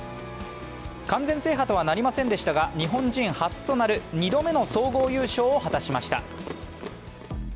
完全制覇とはなりませんでしたが日本人初となる２度目の総合優勝を果たしました。